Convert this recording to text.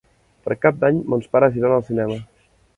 Per Cap d'Any mons pares iran al cinema.